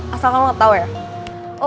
asalkan lo gak tau ya